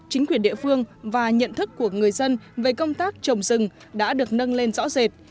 chính quyền địa phương và nhận thức của người dân về công tác trồng rừng đã được nâng lên rõ rệt